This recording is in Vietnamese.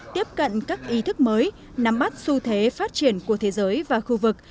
tiếp cận các ý thức mới nắm bắt xu thế phát triển của thế giới và khu vực